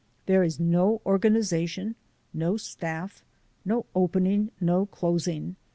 There is no organization, no staff; no opening, no closing.